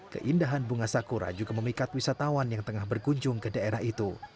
keindahan bunga sakura juga memikat wisatawan yang tengah berkunjung ke daerah itu